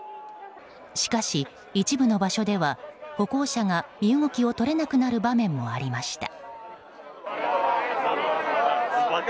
しかし、一部の場所では歩行者が身動きが取れなくなる場面もありました。